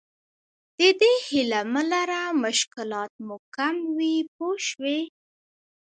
د دې هیله مه لره مشکلات مو کم وي پوه شوې!.